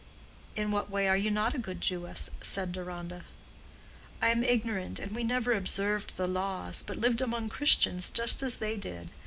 "In what way are you not a good Jewess?" said Deronda. "I am ignorant, and we never observed the laws, but lived among Christians just as they did.